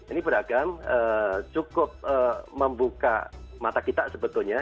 ini beragam cukup membuka mata kita sebetulnya